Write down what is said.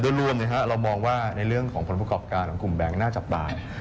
โดยรวมนะครับเรามองว่าในเรื่องของผลสกรรพการของกลุ่มแบงก์หน้าจับต่าย